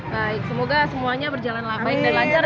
baik semoga semuanya berjalan baik dan lancar